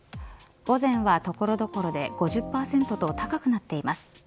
午前は所々で５０％と高くなっています。